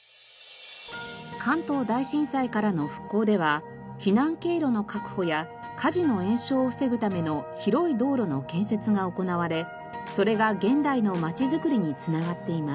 関東大震災からの復興では避難経路の確保や火事の延焼を防ぐための広い道路の建設が行われそれが現代のまちづくりに繋がっています。